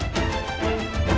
coba bahasanya aja